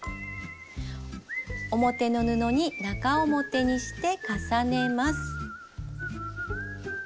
表の布に中表にして重ねます。